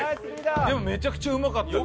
でもめちゃくちゃうまかったよ。